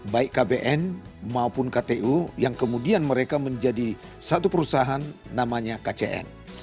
baik kbn maupun ktu yang kemudian mereka menjadi satu perusahaan namanya kcn